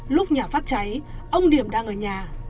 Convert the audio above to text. lúc nhà phát cháy ông điệm đang ở nhà